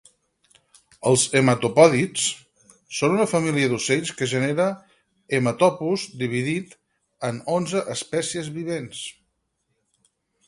Els hematopòdids són una família ocells de gènere Haematopus dividit en onze espècies vivents